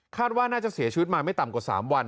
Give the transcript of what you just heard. ว่าน่าจะเสียชีวิตมาไม่ต่ำกว่า๓วัน